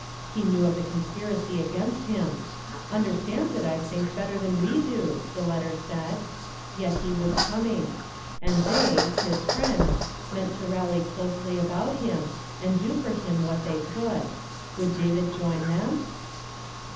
He knew of the conspiracy against him, "undei stands it I think better than we do." the letter said, yet he was coming; and they, his Inends, meant to rally closely about him, and do lor him what they could. Would David ioin them